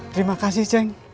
terima kasih ceng